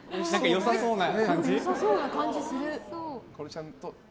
良さそうな感じする！